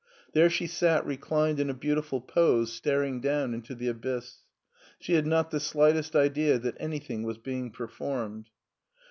There she sat reclined in a beau tiful pose staring down into the abyss. She had not the slightest idea that anything was being performed.